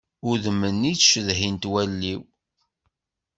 Udem-nni i ttcedhin-t wallen-iw.